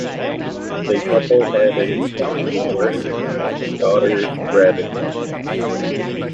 They couple had a son, Martin, and daughter, Radka.